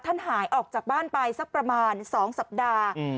หายออกจากบ้านไปสักประมาณ๒สัปดาห์